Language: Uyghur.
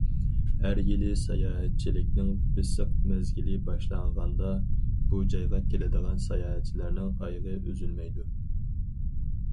ھەر يىلى ساياھەتچىلىكنىڭ بېسىق مەزگىلى باشلانغاندا بۇ جايغا كېلىدىغان ساياھەتچىلەرنىڭ ئايىغى ئۈزۈلمەيدۇ.